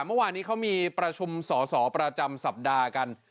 เมื่อวานนี้เขามีประชุมสอสอประจำสัปดาห์กัน